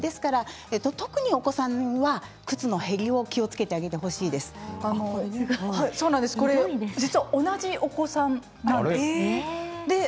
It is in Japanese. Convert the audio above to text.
特にお子さんが靴の減りを気を実は同じお子さんの写真です。